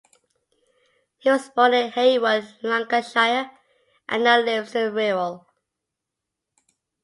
He was born in Heywood, Lancashire, and now lives in the Wirral.